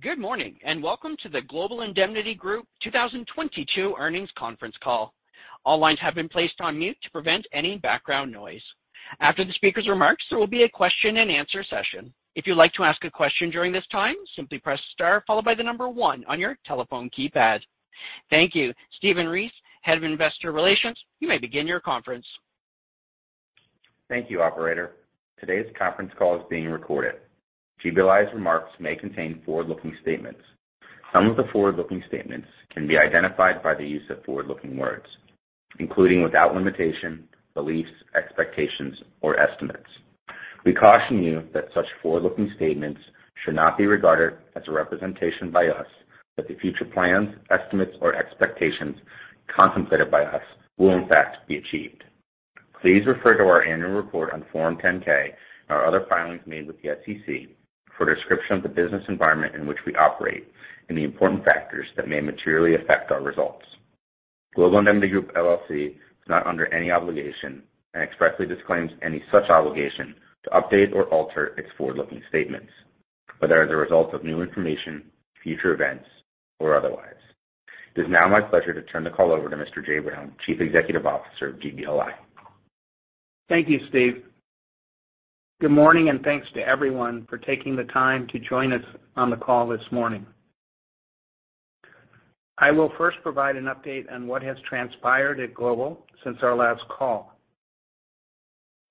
Good morning, and welcome to the Global Indemnity Group 2022 earnings conference call. All lines have been placed on mute to prevent any background noise. After the speaker's remarks, there will be a question-and-answer session. If you'd like to ask a question during this time, simply press star one on your telephone keypad. Thank you. Stephen Ries, Head of Investor Relations, you may begin your conference. Thank you, operator. Today's conference call is being recorded. GBLI's remarks may contain forward-looking statements. Some of the forward-looking statements can be identified by the use of forward-looking words, including, without limitation, beliefs, expectations, or estimates. We caution you that such forward-looking statements should not be regarded as a representation by us that the future plans, estimates, or expectations contemplated by us will in fact be achieved. Please refer to our annual report on Form 10-K and our other filings made with the SEC for a description of the business environment in which we operate and the important factors that may materially affect our results. Global Indemnity Group, LLC is not under any obligation and expressly disclaims any such obligation to update or alter its forward-looking statements, whether as a result of new information, future events, or otherwise. It is now my pleasure to turn the call over to Mr. Jay Brown, Chief Executive Officer of GBLI. Thank you, Steve. Good morning. Thanks to everyone for taking the time to join us on the call this morning. I will first provide an update on what has transpired at Global since our last call.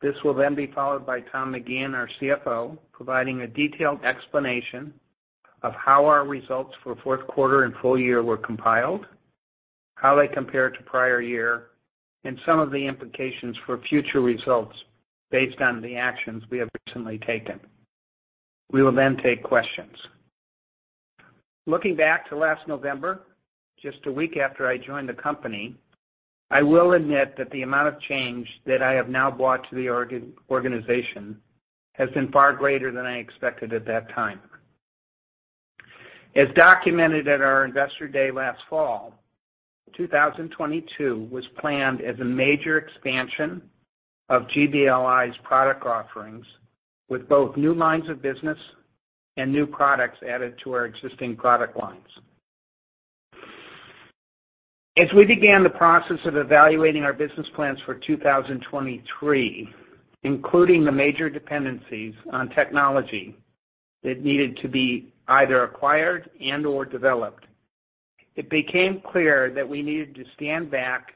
This will be followed by Tom McGeehan, our CFO, providing a detailed explanation of how our results for fourth quarter and full year were compiled, how they compare to prior year, and some of the implications for future results based on the actions we have recently taken. We will take questions. Looking back to last November, just a week after I joined the company, I will admit that the amount of change that I have now brought to the organization has been far greater than I expected at that time. As documented at our Investor Day last fall, 2022 was planned as a major expansion of GBLI's product offerings with both new lines of business and new products added to our existing product lines. As we began the process of evaluating our business plans for 2023, including the major dependencies on technology that needed to be either acquired and/or developed, it became clear that we needed to stand back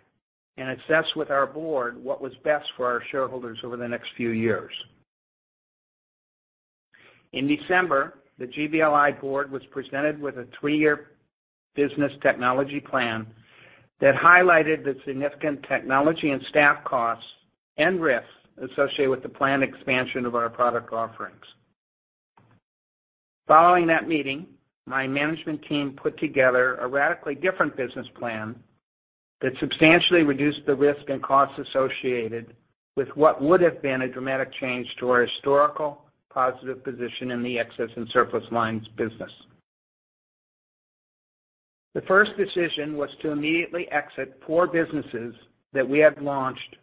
and assess with our board what was best for our shareholders over the next few years. In December, the GBLI board was presented with a three-year business technology plan that highlighted the significant technology and staff costs and risks associated with the planned expansion of our product offerings. Following that meeting, my management team put together a radically different business plan that substantially reduced the risk and costs associated with what would have been a dramatic change to our historical positive position in the excess and surplus lines business. The first decision was to immediately exit four businesses that we had launched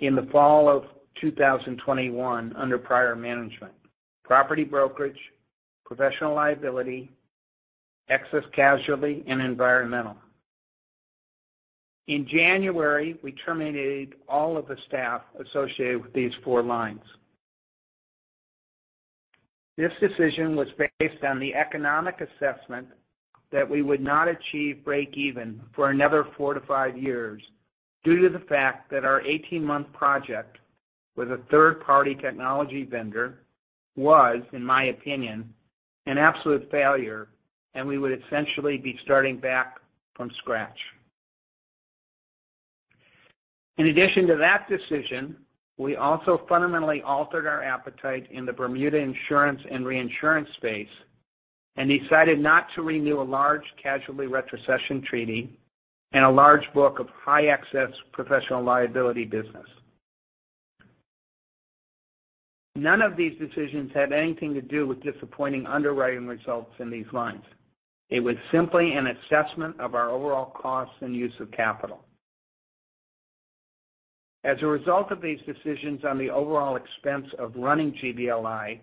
in the fall of 2021 under prior management: property brokerage, professional liability, excess casualty, and environmental. In January, we terminated all of the staff associated with these four lines. This decision was based on the economic assessment that we would not achieve breakeven for another 4-5 years due to the fact that our 18-month project with a third-party technology vendor was, in my opinion, an absolute failure, and we would essentially be starting back from scratch. In addition to that decision, we also fundamentally altered our appetite in the Bermuda insurance and reinsurance space and decided not to renew a large casualty retrocession treaty and a large book of high excess professional liability business. None of these decisions had anything to do with disappointing underwriting results in these lines. It was simply an assessment of our overall costs and use of capital. As a result of these decisions on the overall expense of running GBLI,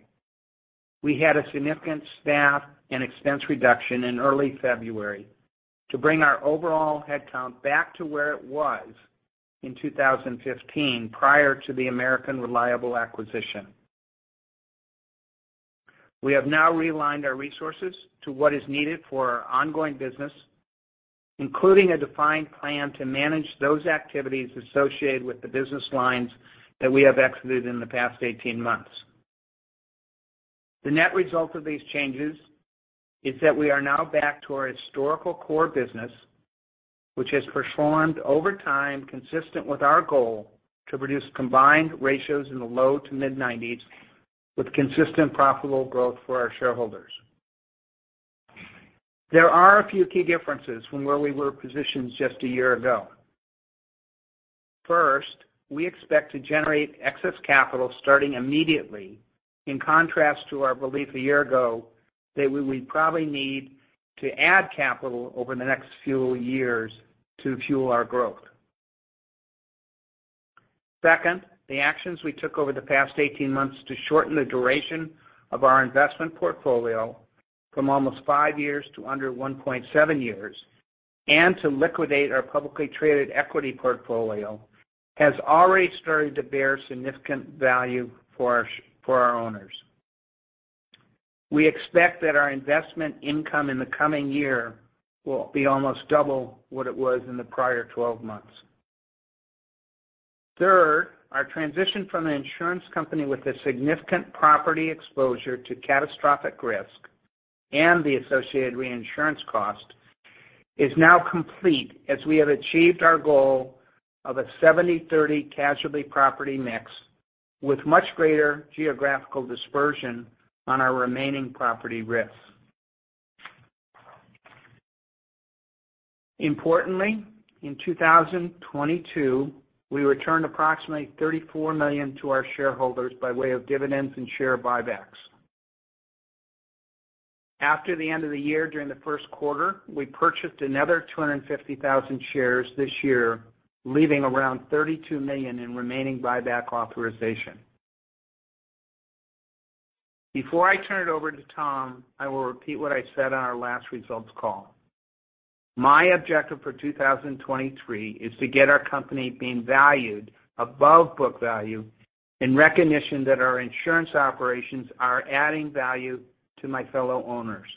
we had a significant staff and expense reduction in early February to bring our overall headcount back to where it was in 2015 prior to the American Reliable acquisition. We have now realigned our resources to what is needed for our ongoing business, including a defined plan to manage those activities associated with the business lines that we have exited in the past 18 months. The net result of these changes is that we are now back to our historical core business, which has performed over time consistent with our goal to produce combined ratios in the low to mid-nineties with consistent profitable growth for our shareholders. There are a few key differences from where we were positioned just a year ago. First, we expect to generate excess capital starting immediately, in contrast to our belief a year ago that we would probably need to add capital over the next few years to fuel our growth. Second, the actions we took over the past 18 months to shorten the duration of our investment portfolio from almost five years to under 1.7 years, and to liquidate our publicly traded equity portfolio, has already started to bear significant value for our owners. We expect that our investment income in the coming year will be almost double what it was in the prior 12 months. Third, our transition from an insurance company with a significant property exposure to catastrophic risk and the associated reinsurance cost is now complete, as we have achieved our goal of a 70/30 casualty property mix, with much greater geographical dispersion on our remaining property risks. Importantly, in 2022, we returned approximately $34 million to our shareholders by way of dividends and share buybacks. After the end of the year during the first quarter, we purchased another 250,000 shares this year, leaving around $32 million in remaining buyback authorization. Before I turn it over to Tom, I will repeat what I said on our last results call. My objective for 2023 is to get our company being valued above book value in recognition that our insurance operations are adding value to my fellow owners.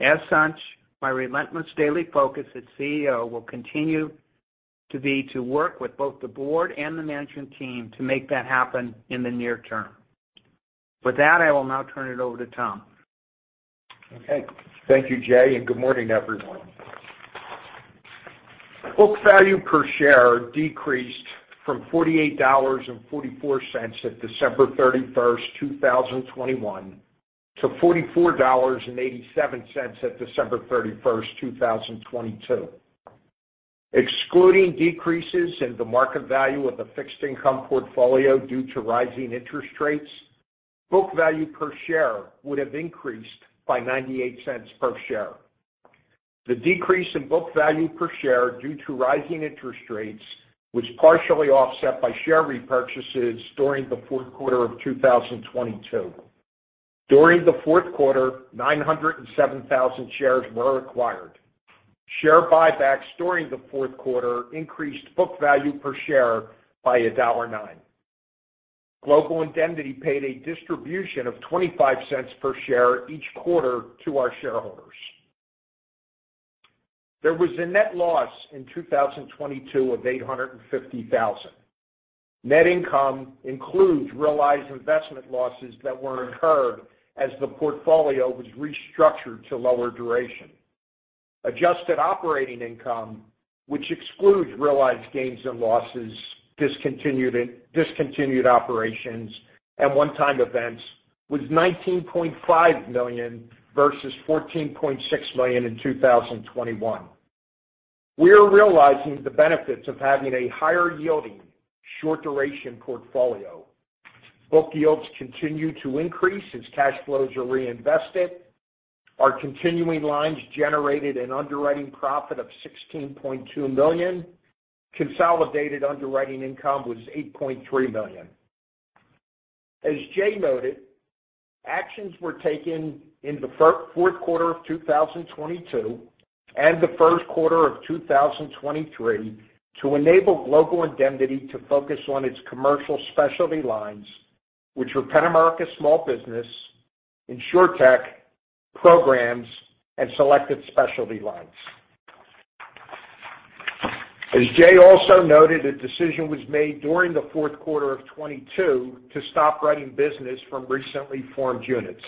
As such, my relentless daily focus as CEO will continue to be to work with both the board and the management team to make that happen in the near term. With that, I will now turn it over to Tom. Okay. Thank you, Jay. Good morning, everyone. Book value per share decreased from $48.44 at December 31, 2021 to $44.87 at December 31, 2022. Excluding decreases in the market value of the fixed income portfolio due to rising interest rates, book value per share would have increased by $0.98 per share. The decrease in book value per share due to rising interest rates was partially offset by share repurchases during the fourth quarter of 2022. During the fourth quarter, 907,000 shares were acquired. Share buybacks during the fourth quarter increased book value per share by $1.09. Global Indemnity paid a distribution of $0.25 per share each quarter to our shareholders. There was a net loss in 2022 of $850,000. Net income includes realized investment losses that were incurred as the portfolio was restructured to lower duration. Adjusted operating income, which excludes realized gains and losses, discontinued operations and one-time events, was $19.5 million versus $14.6 million in 2021. We are realizing the benefits of having a higher yielding short duration portfolio. Book yields continue to increase as cash flows are reinvested. Our continuing lines generated an underwriting profit of $16.2 million. Consolidated underwriting income was $8.3 million. As Jay noted, actions were taken in the fourth quarter of 2022 and the first quarter of 2023 to enable Global Indemnity to focus on its commercial specialty lines, which were Penn-America small business, InsurTech, programs, and selected specialty lines. As Jay also noted, a decision was made during the fourth quarter of 2022 to stop writing business from recently formed units.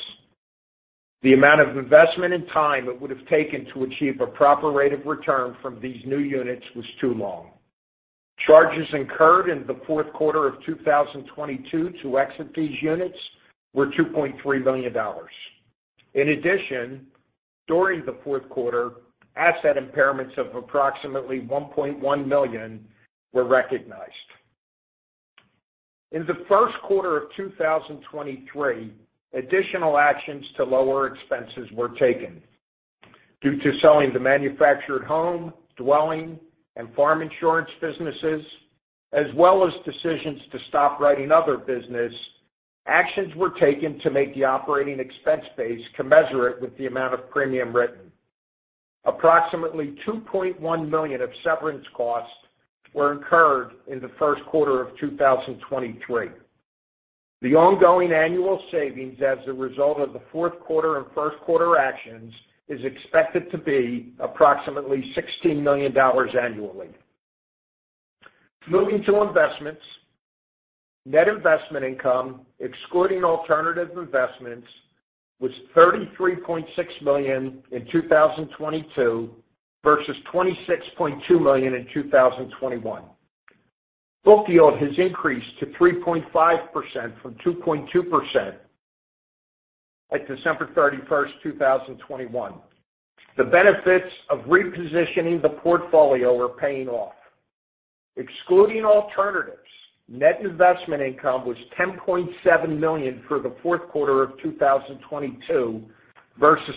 The amount of investment and time it would have taken to achieve a proper rate of return from these new units was too long. Charges incurred in the fourth quarter of 2022 to exit these units were $2.3 million. In addition, during the fourth quarter, asset impairments of approximately $1.1 million were recognized. In the first quarter of 2023, additional actions to lower expenses were taken. Due to selling the manufactured home, dwelling, and farm insurance businesses, as well as decisions to stop writing other business, actions were taken to make the operating expense base commensurate with the amount of premium written. Approximately $2.1 million of severance costs were incurred in the first quarter of 2023. The ongoing annual savings as a result of the fourth quarter and first quarter actions is expected to be approximately $60 million annually. Moving to investments. Net investment income, excluding alternative investments, was $33.6 million in 2022 versus $26.2 million in 2021. Book yield has increased to 3.5% from 2.2% at December 31st, 2021. The benefits of repositioning the portfolio are paying off. Excluding alternatives, net investment income was $10.7 million for the fourth quarter of 2022 versus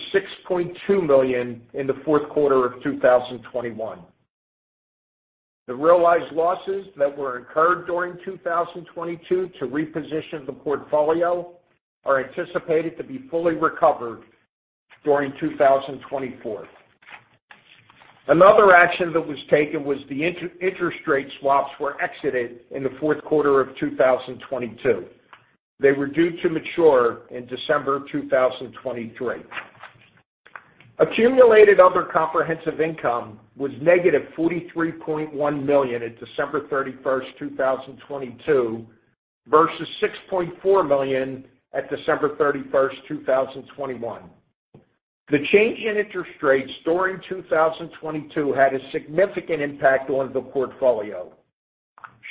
$6.2 million in the fourth quarter of 2021. The realized losses that were incurred during 2022 to reposition the portfolio are anticipated to be fully recovered during 2024. Another action that was taken was the interest rate swaps were exited in the fourth quarter of 2022. They were due to mature in December of 2023. Accumulated other comprehensive income was negative $43.1 million at December 31st, 2022 versus $6.4 million at December 31st, 2021. The change in interest rates during 2022 had a significant impact on the portfolio.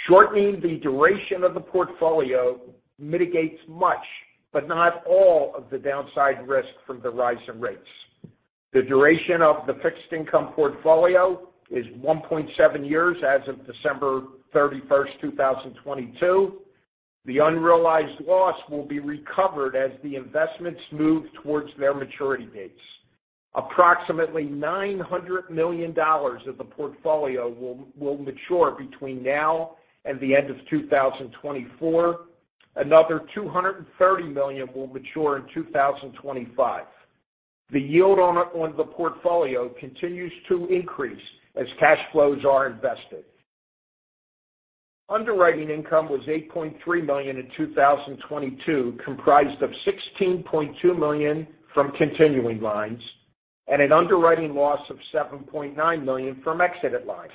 Shortening the duration of the portfolio mitigates much, but not all of the downside risk from the rise in rates. The duration of the fixed income portfolio is 1.7 years as of December 31st, 2022. The unrealized loss will be recovered as the investments move towards their maturity dates. Approximately $900 million of the portfolio will mature between now and the end of 2024. Another $230 million will mature in 2025. The yield on the portfolio continues to increase as cash flows are invested. Underwriting income was $8.3 million in 2022, comprised of $16.2 million from continuing lines and an underwriting loss of $7.9 million from exited lines.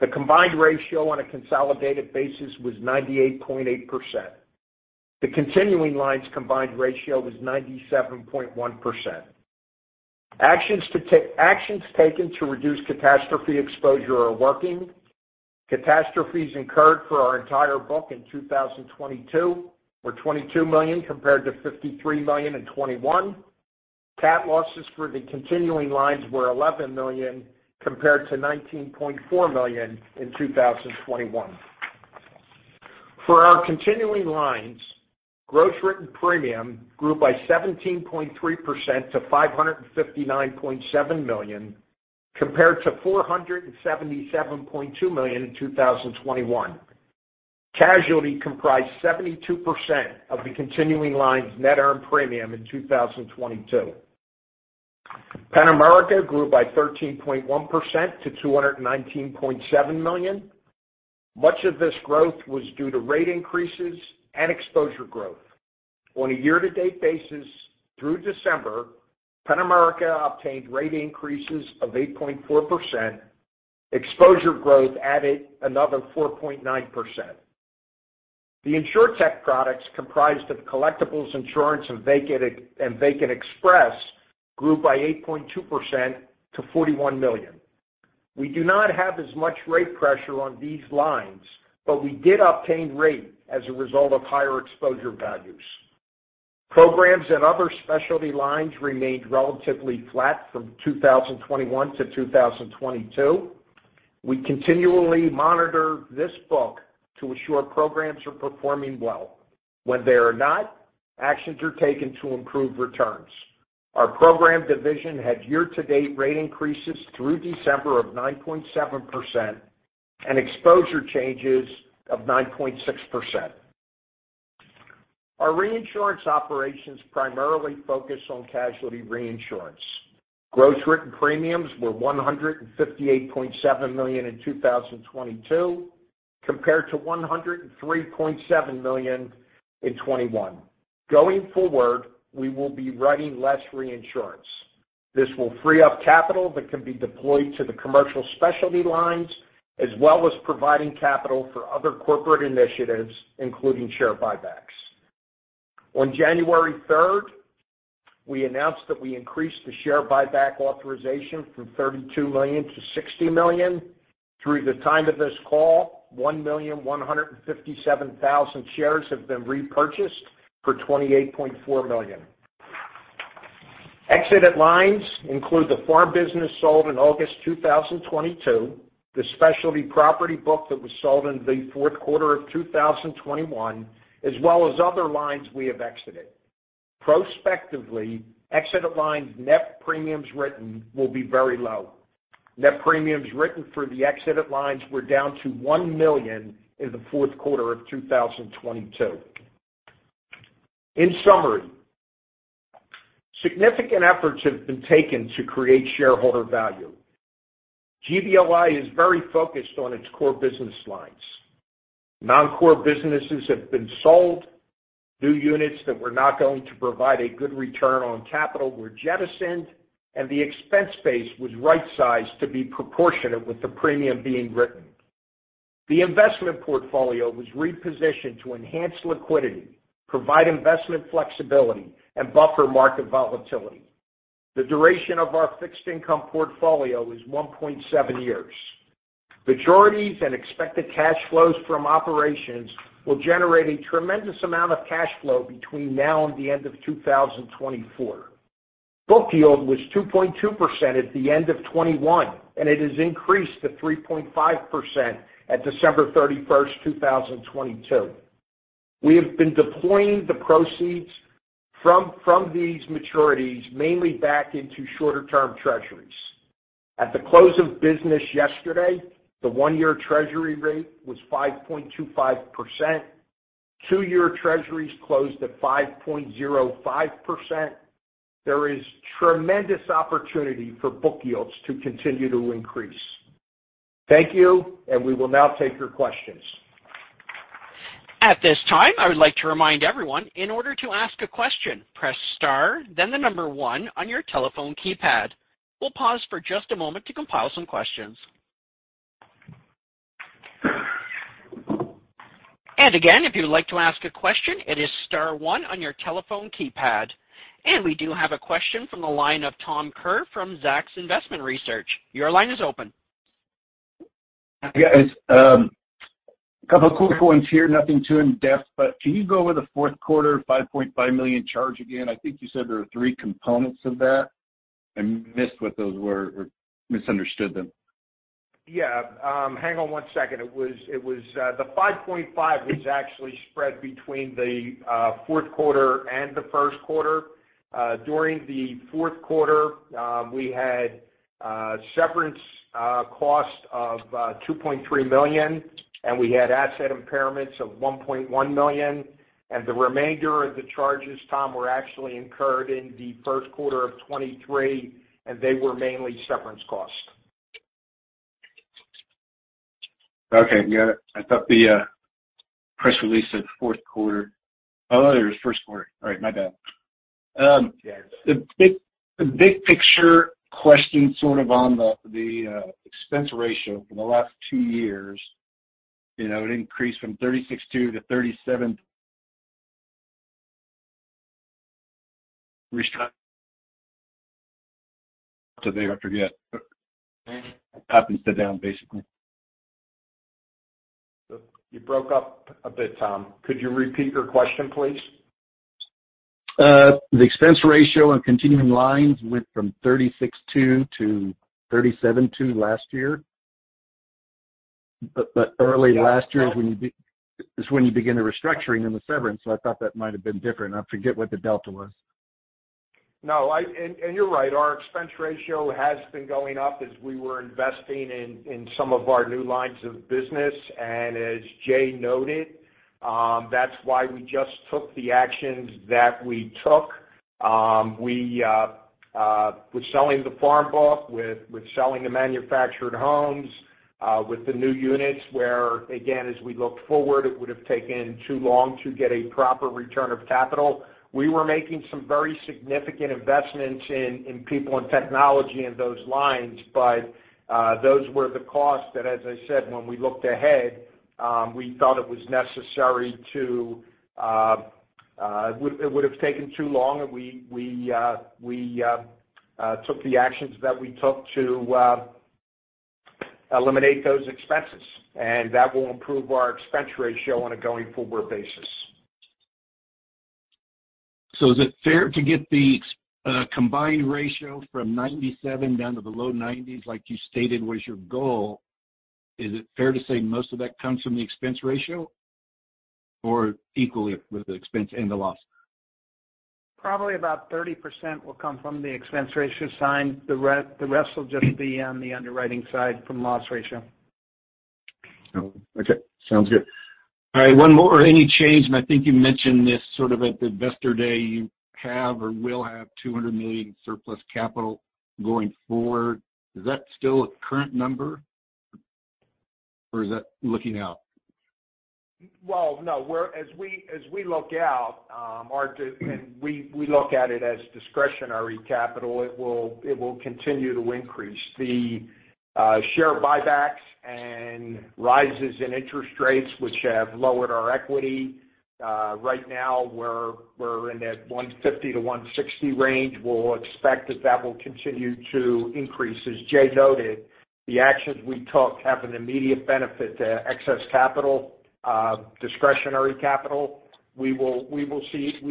The combined ratio on a consolidated basis was 98.8%. The continuing lines combined ratio was 97.1%. Actions taken to reduce catastrophe exposure are working. Catastrophes incurred for our entire book in 2022 were $22 million compared to $53 million in 2021. Cat losses for the continuing lines were $11 million compared to $19.4 million in 2021. For our continuing lines, gross written premium grew by 17.3% to $559.7 million, compared to $477.2 million in 2021. Casualty comprised 72% of the continuing lines net earned premium in 2022. Penn-America grew by 13.1% to $219.7 million. Much of this growth was due to rate increases and exposure growth. On a year-to-date basis through December, Penn-America obtained rate increases of 8.4%. Exposure growth added another 4.9%. The InsurTech products comprised of collectibles insurance and VacantExpress grew by 8.2% to $41 million. We do not have as much rate pressure on these lines, but we did obtain rate as a result of higher exposure values. Programs and other specialty lines remained relatively flat from 2021-2022. We continually monitor this book to ensure programs are performing well. When they are not, actions are taken to improve returns. Our program division had year-to-date rate increases through December of 9.7% and exposure changes of 9.6%. Our reinsurance operations primarily focus on casualty reinsurance. Gross written premiums were $158.7 million in 2022 compared to $103.7 million in 2021. Going forward, we will be writing less reinsurance. This will free up capital that can be deployed to the commercial specialty lines, as well as providing capital for other corporate initiatives, including share buybacks. On January third, we announced that we increased the share buyback authorization from $32 million-$60 million. Through the time of this call, 1,157,000 shares have been repurchased for $28.4 million. Exited lines include the farm business sold in August 2022, the specialty property book that was sold in the fourth quarter of 2021, as well as other lines we have exited. Prospectively, exited lines net premiums written will be very low. Net premiums written for the exited lines were down to $1 million in the fourth quarter of 2022. In summary, significant efforts have been taken to create shareholder value. GBLI is very focused on its core business lines. Non-core businesses have been sold. New units that were not going to provide a good return on capital were jettisoned, and the expense base was rightsized to be proportionate with the premium being written. The investment portfolio was repositioned to enhance liquidity, provide investment flexibility, and buffer market volatility. The duration of our fixed income portfolio is 1.7 years. Maturities and expected cash flows from operations will generate a tremendous amount of cash flow between now and the end of 2024. Book yield was 2.2% at the end of 2021, and it has increased to 3.5% at December 31, 2022. We have been deploying the proceeds from these maturities mainly back into shorter term treasuries. At the close of business yesterday, the one-year treasury rate was 5.25%. Two-year treasuries closed at 5.05%. There is tremendous opportunity for book yields to continue to increase. Thank you. We will now take your questions. At this time, I would like to remind everyone in order to ask a question, press star then the number one on your telephone keypad. We'll pause for just a moment to compile some questions. Again, if you'd like to ask a question, it is star one on your telephone keypad. We do have a question from the line of Tom Kerr from Zacks Investment Research. Your line is open. A couple of quick ones here. Nothing too in-depth, but can you go over the fourth quarter $5.5 million charge again? I think you said there are three components of that. I missed what those were or misunderstood them. Hang on one second. It was the $5.5 was actually spread between the fourth quarter and the first quarter. During the fourth quarter, we had severance cost of $2.3 million, and we had asset impairments of $1.1 million. The remainder of the charges, Tom, were actually incurred in the first quarter of 2023, and they were mainly severance costs. Got it. I thought the press release said fourth quarter. There it is, first quarter. My bad. The big picture question sort of on the expense ratio for the last two years. You know, it increased from 36.2%-37%. I forget. Up and down, basically. You broke up a bit, Tom. Could you repeat your question, please? The expense ratio on continuing lines went from 36.2%-37.2% last year. Early last year is when you begin the restructuring and the severance. I thought that might have been different. I forget what the delta was. No, and you're right. Our expense ratio has been going up as we were investing in some of our new lines of business. As Jay noted, that's why we just took the actions that we took. We with selling the farm book, with selling the manufactured homes, with the new units, where again, as we look forward, it would have taken too long to get a proper return of capital. We were making some very significant investments in people and technology in those lines. Those were the costs that, as I said when we looked ahead, we thought it was necessary to, it would have taken too long, and we took the actions that we took to eliminate those expenses. That will improve our expense ratio on a going-forward basis. Is it fair to get the combined ratio from 97 down to the low 90s like you stated was your goal? Is it fair to say most of that comes from the expense ratio or equally with the expense and the loss? Probably about 30% will come from the expense ratio side. The rest will just be on the underwriting side from loss ratio. Oh, okay. Sounds good. All right, one more. Any change, I think you mentioned this sort of at the investor day, you have or will have $200 million in surplus capital going forward. Is that still a current number or is that looking out? Well, no. As we look out, we look at it as discretionary capital, it will continue to increase. The share buybacks and rises in interest rates which have lowered our equity. Right now we're in that 150-160 range. We'll expect that will continue to increase. As Jay noted, the actions we took have an immediate benefit to excess capital, discretionary capital. We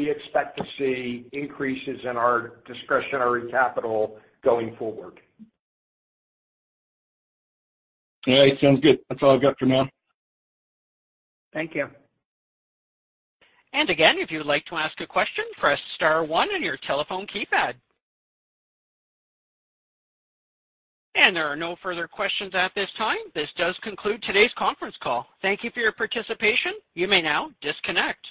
expect to see increases in our discretionary capital going forward. All right, sounds good. That's all I've got for now. Thank you. Again, if you'd like to ask a question, press star one on your telephone keypad. There are no further questions at this time. This does conclude today's conference call. Thank you for your participation. You may now disconnect.